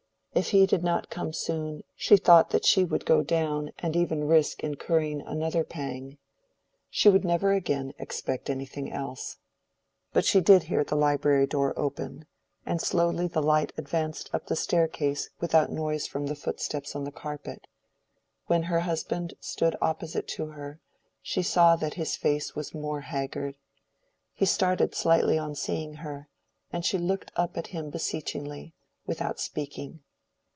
If he did not come soon she thought that she would go down and even risk incurring another pang. She would never again expect anything else. But she did hear the library door open, and slowly the light advanced up the staircase without noise from the footsteps on the carpet. When her husband stood opposite to her, she saw that his face was more haggard. He started slightly on seeing her, and she looked up at him beseechingly, without speaking.